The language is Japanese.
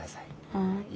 はい。